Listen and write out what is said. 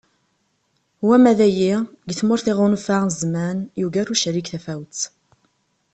Wama dagi, deg tmurt iɣunfa zzman ; yugar ucerrig tafawet.